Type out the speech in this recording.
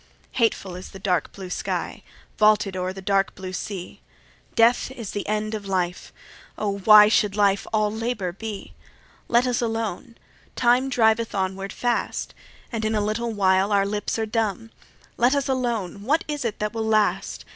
4 Hateful is the dark blue sky, Vaulted o'er the dark blue sea. Death is the end of life; ah, why Should life all labour be? Let us alone. Time driveth onward fast, And in a little while our lips are dumb. Let us alone. What is it that will last?